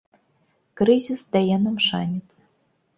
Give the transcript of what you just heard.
Крызіс дае нам шанец.